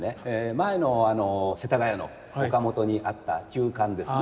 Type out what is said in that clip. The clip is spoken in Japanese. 前の世田谷の岡本にあった旧館ですね。